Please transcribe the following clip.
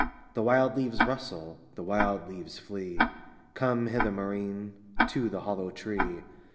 "The wild leaves rustle, the wild leaves flee Come hither, Maurine, to the hollow tree!